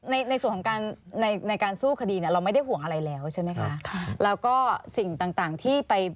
นี่เป็นซรสควรเอาไปต่อไปแลนี่หว่า